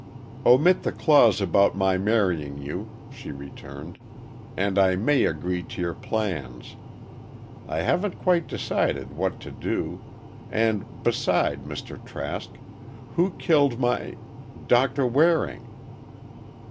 "Omit the clause about my marrying you," she returned, "and I may agree to your plans. I haven't quite decided what to do—and beside, Mr. Trask, who killed my—Doctor Waring?"